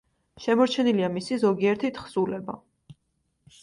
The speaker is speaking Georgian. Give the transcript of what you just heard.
შემორჩენილია მისი ზოგიერთი თხზულება.